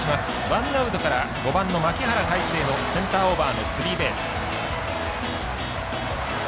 ワンアウトから５番の牧原大成のセンターオーバーのスリーベース。